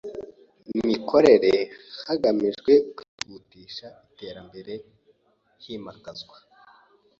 mikorere hagamijwe kwihutisha iterambere himakazwa